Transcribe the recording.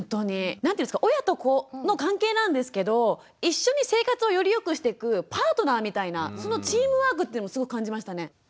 何ていうんですか親と子の関係なんですけど一緒に生活をよりよくしていくパートナーみたいなそのチームワークっていうのをすごい感じましたね。